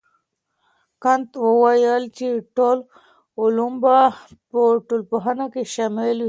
کنت وويل چي ټول علوم به په ټولنپوهنه کي شامل وي.